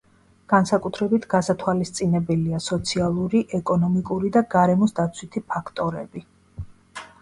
განსაკუთრებით გასათვალისწინებელია სოციალური, ეკონომიკური და გარემოს დაცვითი ფაქტორები.